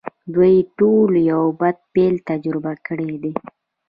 دوی ټولو یو بد پیل تجربه کړی دی